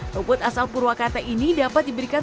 rumput asal purwakarta ini dapat diberikan